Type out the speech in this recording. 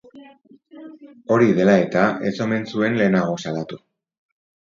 Hori dela eta, ez omen zuen lehenago salatu.